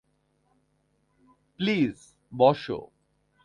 Please, বসো।